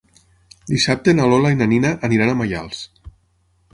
Dissabte na Lola i na Nina aniran a Maials.